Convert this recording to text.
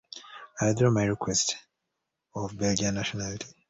I withdraw my request of Belgian nationality.